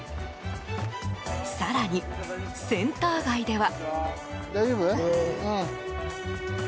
更に、センター街では。